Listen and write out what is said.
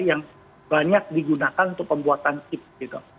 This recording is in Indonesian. yang banyak digunakan untuk pembuatan chip gitu